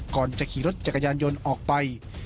ก่อนจะขี่รถจักรยานยนต์ออกไป